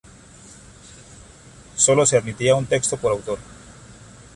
Sólo se admitía un texto por autor.